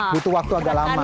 butuh waktu agak lama